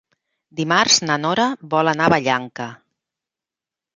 Dimarts na Nora vol anar a Vallanca.